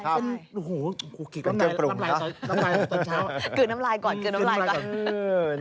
เป็นเกลือน้ำลายตอนเช้าคืนน้ำลายก่อนคืนน้ำลายก่อน